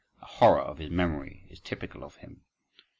A horror of his memory is typical of him.